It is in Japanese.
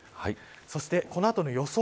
そして、この後の予想